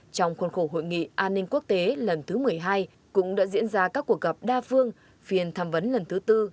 trong khuôn khổ hội nghị an ninh quốc tế lần thứ một mươi hai cũng đã diễn ra các cuộc gặp đa phương phiền tham vấn lần thứ tư